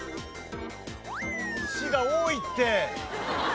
市が多いって！